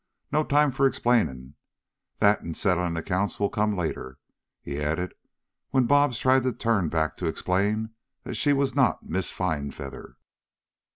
No time for explainin'. That, an' settlin' accounts will come later," he added when Bobs tried to turn back to explain that she was not Miss Finefeather.